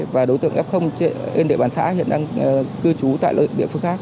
và đối tượng f trên địa bàn xã hiện đang cư trú tại địa phương khác